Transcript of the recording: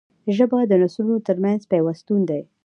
ژبه د نسلونو ترمنځ پیوستون دی